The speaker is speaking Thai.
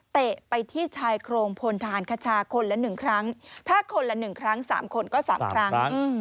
ไปที่ชายโครงพลทหารคชาคนละ๑ครั้งถ้าคนละ๑ครั้ง๓คนก็๓ครั้ง